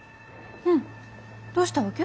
うんどうしたわけ？